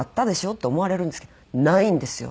って思われるんですけどないんですよ